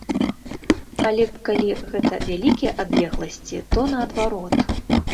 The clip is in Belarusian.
Але калі гэта вялікія адлегласці, то наадварот.